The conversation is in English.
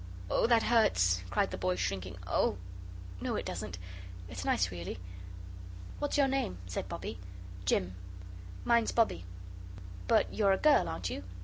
"Oh, that hurts," cried the boy, shrinking. "Oh no, it doesn't it's nice, really." "What's your name?" said Bobbie. "Jim." "Mine's Bobbie." "But you're a girl, aren't you?"